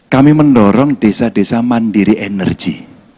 kami mendorong desa desa mandiri energi